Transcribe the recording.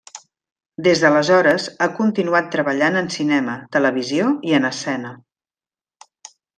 Des d’aleshores ha continuat treballant en cinema, televisió i en escena.